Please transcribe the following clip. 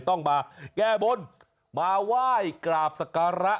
ต้องมาแก้บนมาไหว้กราบสการะ